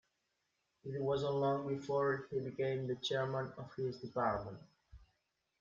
It wasn't long before he became the chairman of his department.